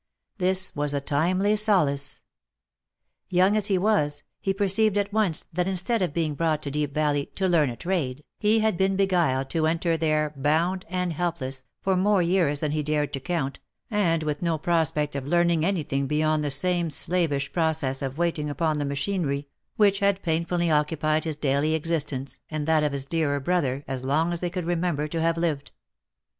This was a timely solace! Young as he was, he perceived at once, that instead of being brought to Deep Valley to learn a trade, he had been beguiled to enter there bound and helpless, for more years than he dared to count, and with no prospect of learn ing any thing beyond the same slavish process of waiting upon the machinery, which had painfully occupied his daily existence, and that of his dearer brother, as long as they could remember to have lived.